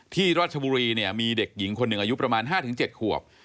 ที่รัชบุรีเนี้ยมีเด็กหญิงคนหนึ่งอายุประมาณห้าถึงเจ็ดขวบ